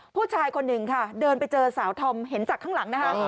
ผู้ชายคนหนึ่งค่ะเดินไปเจอสาวธอมเห็นจากข้างหลังนะคะ